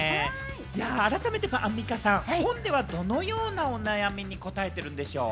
改めてアンミカさん、本ではどのようなお悩みに答えているんでしょう？